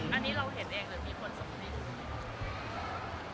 อันนี้เราเห็นเองเลยมีผลสมมติ